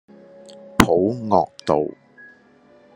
普樂道